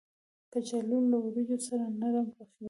کچالو له وریجو سره نرم پخېږي